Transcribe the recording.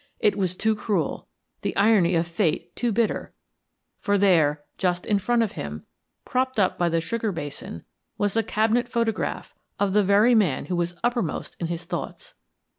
It was too cruel, the irony of Fate too bitter, for there, just in front of him, propped up by the sugar basin, was a cabinet photograph of the very man who was uppermost in his thoughts.